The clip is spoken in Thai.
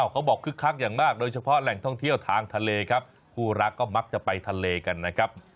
คึกคักอย่างมากโดยเฉพาะแหล่งท่องเที่ยวทางทะเลครับคู่รักก็มักจะไปทะเลกันนะครับ